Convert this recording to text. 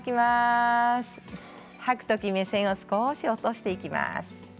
吐く時に目線を落としていきます。